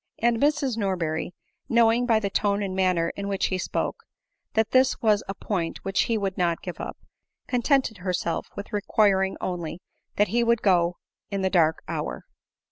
And Mrs Norberry, knowing by the tone and manner jn which he spoke, that this was a point which he would not give up, contented herself with requiring only that he would go in the dark hour.